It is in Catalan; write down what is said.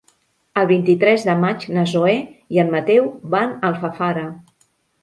El vint-i-tres de maig na Zoè i en Mateu van a Alfafara.